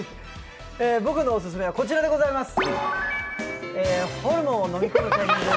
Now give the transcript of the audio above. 僕のオススメはこちらでございます。